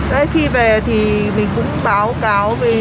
thế khi về thì mình cũng không nghe máy để có số offline